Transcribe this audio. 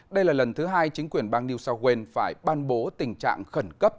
đây là lần thứ hai chính quyền bang new south wales phải ban bố tình trạng khẩn cấp